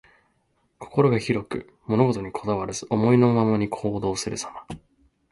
心が広く、物事にこだわらず、思いのままに行動するさま。